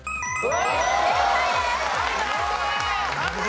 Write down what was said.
正解です！